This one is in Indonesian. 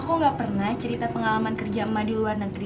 maku gak pernah cerita pengalaman kerja emak di luar negara